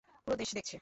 পুরো দেশ দেখছে।